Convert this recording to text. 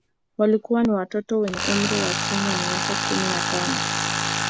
Walikuwa ni watoto wenye umri wa chini ya miaka kumi na tano